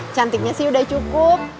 cantiknya sih udah cukup